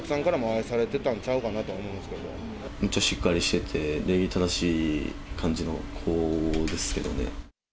めっちゃしっかりしてて、礼儀正しい感じの子ですけどね。